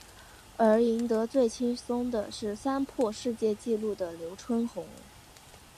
而赢得最轻松的是三破世界纪录的刘春红。